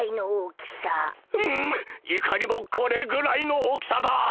うむいかにもこれぐらいの大きさだ。